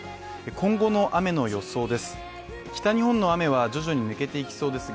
今後の雨の予想です。